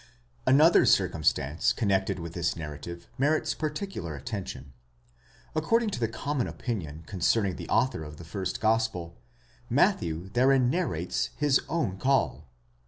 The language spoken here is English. Another circumstance connected with this narrative merits particular atten tion. According to the common opinion concerning the author of the first gospel, Matthew therein narrates his own call.